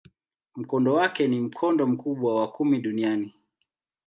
Mkondo wake ni mkondo mkubwa wa kumi duniani.